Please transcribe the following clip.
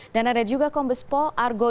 dan ada juga kombes pol argo